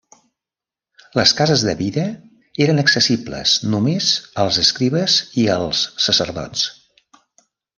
Les cases de Vida eren accessibles només als escribes i als sacerdots.